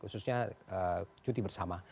khususnya cuti bersama